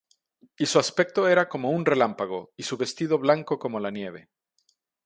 Y su aspecto era como un relámpago, y su vestido blanco como la nieve.